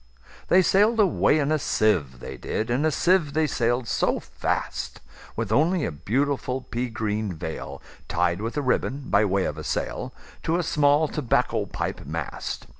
They sail'd away in a sieve, they did, In a sieve they sail'd so fast, With only a beautiful pea green veilTied with a ribbon, by way of a sail, To a small tobacco pipe mast.